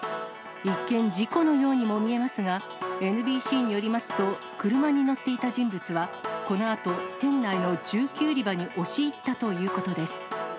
一見、事故のようにも見えますが、ＮＢＣによりますと、車に乗っていた人物は、このあと、店内の銃器売り場に押し入ったということです。